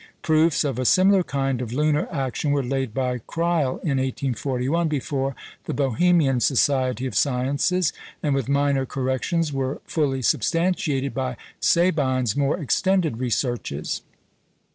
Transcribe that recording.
Proofs of a similar kind of lunar action were laid by Kreil in 1841 before the Bohemian Society of Sciences, and with minor corrections were fully substantiated by Sabine's more extended researches.